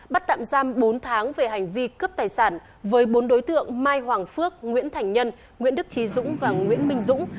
bắt tạm giam bốn tháng về hành vi cướp tài sản với bốn đối tượng mai hoàng phước nguyễn thành nhân nguyễn đức trí dũng và nguyễn minh dũng